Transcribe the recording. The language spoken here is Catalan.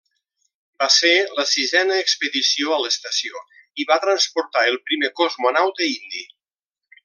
Va ser la sisena expedició a l'estació, i va transportar el primer cosmonauta indi.